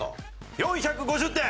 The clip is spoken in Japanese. ４５０点！